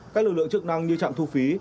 các lực lượng chức năng như trạm thu phí